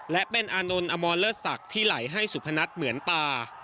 และเป็นอาโนนอมอลเลอสักที่ไหลให้สุพนัทเหมือนปา